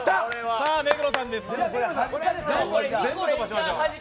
さぁ、目黒さんです。